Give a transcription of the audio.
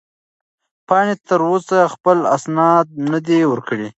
پاڼې تر اوسه خپل اسناد نه دي ورکړي.